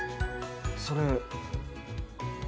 それ。